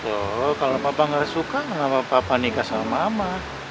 lho kalau papa enggak suka kenapa papa nikah sama mama